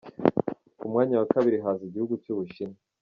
Ku mwanya wa kabiri haza igihugu cy’u Bushinwa.